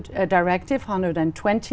đặc biệt ở việt nam